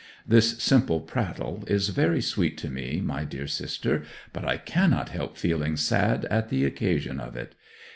This simple prattle is very sweet to me, my dear sister, but I cannot help feeling sad at the occasion of it.